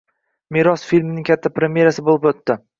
“Meros” filmining katta premerasi bo‘lib o‘tdi